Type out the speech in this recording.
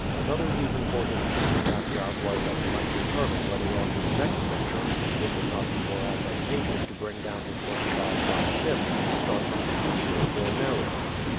Another reason for his choosing that route was that he might determine whether on his next venture it would not be more advantageous to bring down his merchandise by ship and start from the seashore for Meroe.